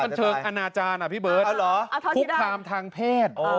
มันมันเชิงอนาจารย์อ่ะพี่เบิร์ตเอาเหรอเอาเท่าที่ได้ภูมิความทางเพศอ๋อ